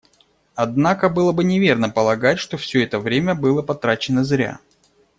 Однако было бы неверно полагать, что все это время было потрачено зря.